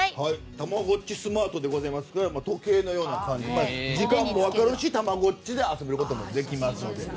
「たまごっちスマート」でございますから時計のような感じで時間も分かるし「たまごっち」で遊ぶこともできます。